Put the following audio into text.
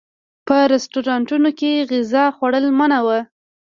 په رسټورانټونو کې غذا خوړل منع و.